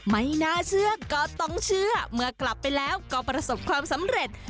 ไม่น่าเชื่อก็ต้องเชื่อเมื่อกลับไปแล้วก็ประสบความสำเร็จ